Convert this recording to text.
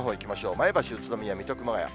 前橋、宇都宮、水戸、熊谷。